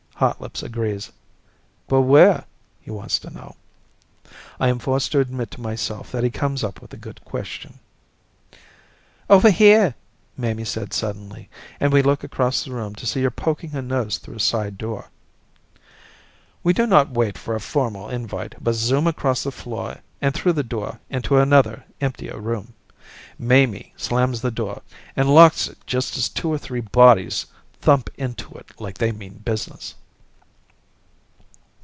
Hotlips agrees. "But where?" he wants to know. I am forced to admit to myself that he comes up with a good question. "Over here," Mamie said suddenly, and we look across the room to see her poking her nose through a side door. We do not wait for a formal invite but zoom across the floor and through the door into another, emptier room. Mamie slams the door and locks it just as two or three bodies thump into it like they mean business.